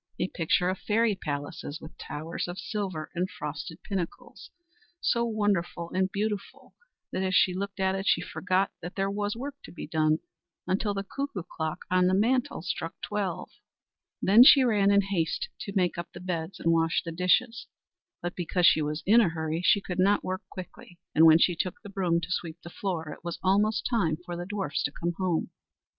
A picture of fairy palaces with towers of silver and frosted pinnacles, so wonderful and beautiful that as she looked at it she forgot that there was work to be done, until the cuckoo clock on the mantel struck twelve. Then she ran in haste to make up the beds, and wash the dishes; but because she was in a hurry she could not work quickly, and when she took the broom to sweep the floor it was almost time for the dwarfs to come home.